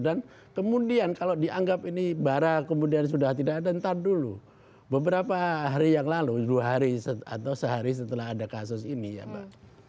dan kemudian kalau dianggap ini bara kemudian sudah tidak ada entar dulu beberapa hari yang lalu dua hari atau sehari setelah ada kasus ini ya mbak